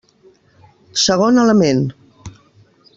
Segon element.